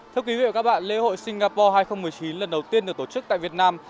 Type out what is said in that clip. thưa quý vị và các bạn lễ hội singapore hai nghìn một mươi chín lần đầu tiên được tổ chức tại việt nam